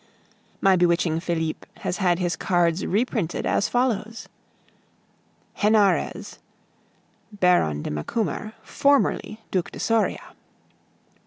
My bewitching Felipe has had his cards reprinted as follows: HENAREZ (Baron de Macumer, formerly Duc de Soria.)